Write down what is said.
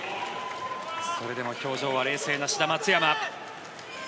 それでも表情は冷静な志田・松山。